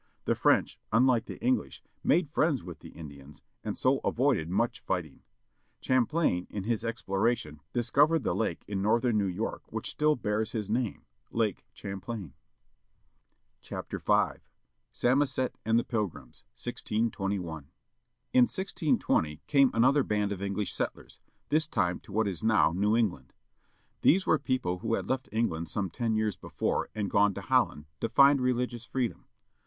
The French, unlike the English, made friends with the Indians, and so avoided much fighting. Champlain in his exploration discovered the lake in northern New York which still bears his H n ii 1 name â Lake Champlain. UPLAIN DISCOVERS LAKE CUAMfLAIN SAMOSET AND THE PILGRIMS. 1621 N 1620 came another band of English settlers, this time to what is now New England. These were people who had left England some ten years before and gone to Holland, to find religious freedom.